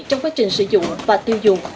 trong quá trình sử dụng và tiêu dùng